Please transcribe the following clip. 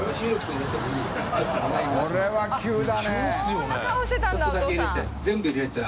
こんな顔してたんだお父さん。